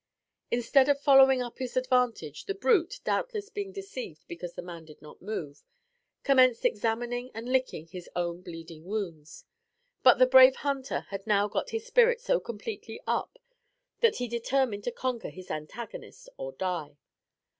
Instead of following up this advantage, the brute, doubtless being deceived because the man did not move, commenced examining and licking his own bleeding wounds. But the brave hunter had now got his spirit so completely up, that he determined to conquer his antagonist or die.